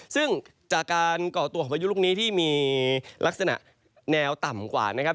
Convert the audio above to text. ซึ่งจากการก่อตัวของพายุลูกนี้ที่มีลักษณะแนวต่ำกว่านะครับ